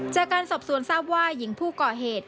จากการสอบสวนทราบว่าหญิงผู้ก่อเหตุ